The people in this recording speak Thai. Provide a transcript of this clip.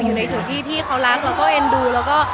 อยู่ในพี่เจ้าแบบรักและเรารัก